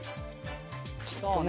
ちょっとね。